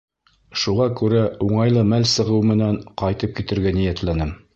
Шуға күрә, уңайлы мәл сығыу менән, ҡайтып китергә ниәтләнем.